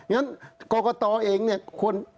อย่างนั้นกรกตเองควร